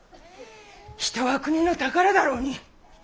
人は国の宝だろうに。